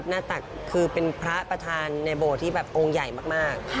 ตักคือเป็นพระประธานในโบสถที่แบบองค์ใหญ่มาก